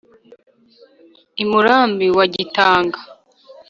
I Murambi wa Gitanga